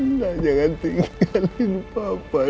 nggak jangan tinggalin bapak